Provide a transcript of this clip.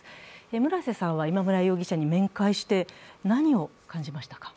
村瀬さんは今村容疑者に面会して何を感じましたか？